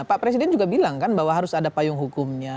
pak presiden juga bilang kan bahwa harus ada payung hukumnya